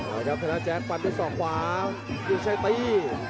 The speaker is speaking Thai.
อ้าครับท่านครับแจ๊คฟันด้วยศอกขวายังใช้ตี